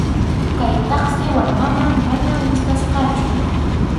Kaytaqsi warmaman mana gustasqachu.